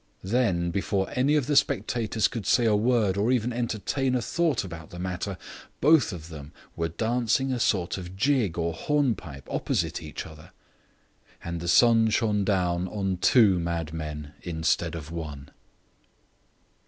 Then before any of the spectators could say a word or even entertain a thought about the matter, both of them were dancing a sort of jig or hornpipe opposite each other; and the sun shone down on two madmen instead of one.